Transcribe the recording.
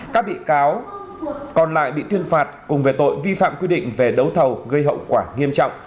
các bị cáo còn lại bị tuyên phạt cùng về tội vi phạm quy định về đấu thầu gây hậu quả nghiêm trọng